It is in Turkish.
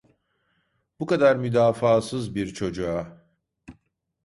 Bu kadar müdafaasız bir çocuğa...